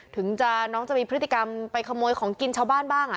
น้องจะมีพฤติกรรมไปขโมยของกินชาวบ้านบ้าง